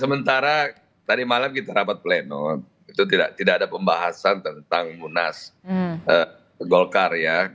sementara tadi malam kita rapat pleno itu tidak ada pembahasan tentang munas golkar ya